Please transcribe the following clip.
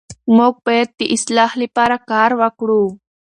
موږ باید د اصلاح لپاره کار وکړو.